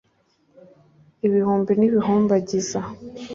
Ibihumbi n'ibihumbagiza